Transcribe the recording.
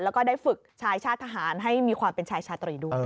แล้วก็ได้ฝึกชายชาติทหารให้มีความเป็นชายชาตรีด้วย